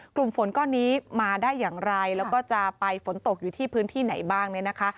กลุ่มฝนก้อนนี้มาได้อย่างไรแล้วก็จะไปฝนตกอยู่ที่พื้นที่ไหนบ้างเนี่ยนะคะ